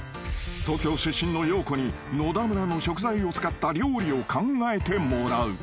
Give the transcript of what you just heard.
［東京出身のヨーコに野田村の食材を使った料理を考えてもらう］